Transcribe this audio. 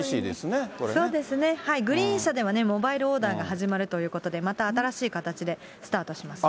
そうですね、グリーン車ではモバイルオーダーが始まるということで、また新しい形で、スタートしますね。